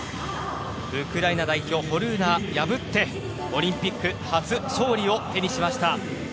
ウクライナ代表ホルーナ破ってオリンピック初勝利を手にしました。